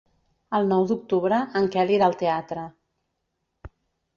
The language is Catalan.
El nou d'octubre en Quel irà al teatre.